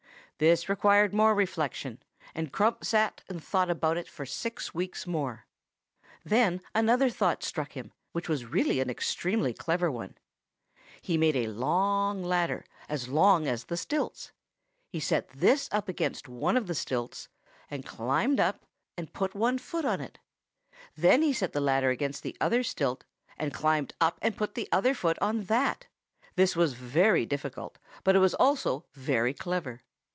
This required more reflection, and Crump sat and thought about it for six weeks more. Then another thought struck him, which was really an extremely clever one. He made a long ladder, as long as the stilts. He set this up against one of the stilts, and climbed up and put one foot on it; and then he set the ladder against the other stilt, and climbed up and put the other foot on that; this was very difficult, but it was also very clever.